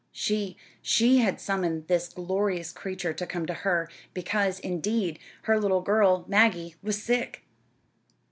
She, she had summoned this glorious creature to come to her, because, indeed, her little girl, Maggie, was sick!